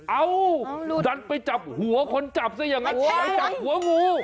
เอาดันไปจับหัวคนจับซะอย่างนั้นไปจับหัวงู